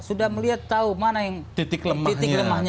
sudah melihat tahu mana yang titik lemahnya